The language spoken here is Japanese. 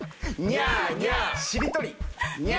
ニャーニャー。